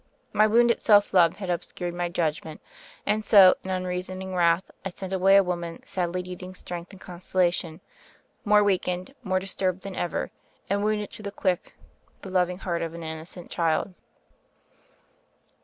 My wounded self love had ob scured my judgment; and so in unreasoning wrath I sent away a woman sadly needing strength and consolation, more weakened, more disturbed than ever, and wounded to the quick the loving heart of an innocent child.